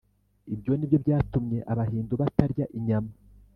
ibyo ni byo byatumye abahindu batarya inyama